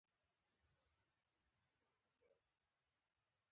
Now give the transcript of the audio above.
پاچا وويل د چا په اجازه تاسو خبرې کوٸ.